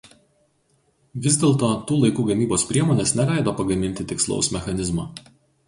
Vis dėlto tų laikų gamybos priemonės neleido pagaminti tikslaus mechanizmo.